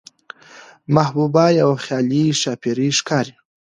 محبوبه يوه خيالي ښاپېرۍ ښکاري،